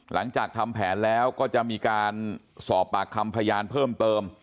หลังจากทำแผนแล้วก็จะมีการสอบปากคำพยานเพิ่มเติม